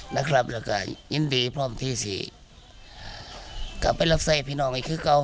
แล้วก็ยินดีพร้อมที่ที่กลับไปรับใส่พี่น้องอีกคือเก่า